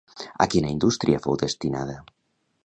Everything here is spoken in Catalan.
A quina indústria fou destinada?